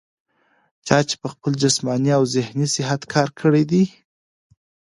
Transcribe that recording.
چا چې پۀ خپل جسماني او ذهني صحت کار کړے دے